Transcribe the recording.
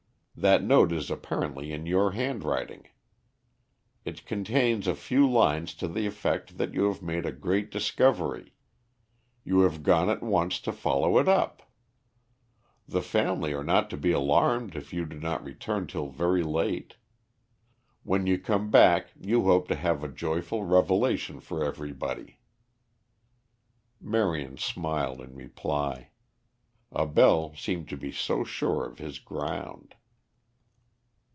That note is apparently in your handwriting. It contains a few lines to the effect that you have made a great discovery. You have gone at once to follow it up. The family are not to be alarmed if you do not return till very late. When you come back you hope to have a joyful revelation for everybody." Marion smiled in reply. Abell seemed to be so sure of his ground.